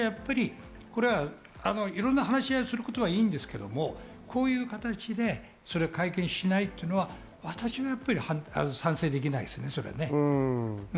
いろんな話し合いをすることはいいんですが、こういう形で会見をしないというのは私はやはり賛成できないですね。